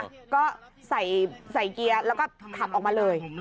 แล้วก็ใส่เกียร์แล้วก็ขับออกมาเลย